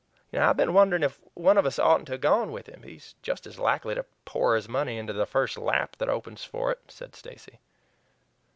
"I've been wondering if one of us oughtn't to have gone with him? He's just as likely to pour his money into the first lap that opens for it," said Stacy.